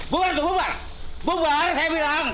buar tuh buar buar saya bilang